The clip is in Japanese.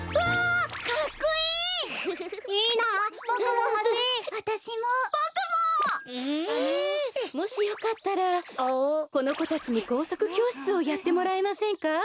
あのもしよかったらこのこたちにこうさくきょうしつをやってもらえませんか？